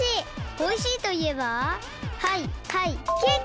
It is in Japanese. おいしいといえばはいはいケーキ！